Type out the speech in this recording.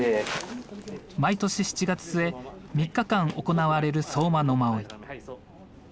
毎年７月末３日間行われる相馬野馬追。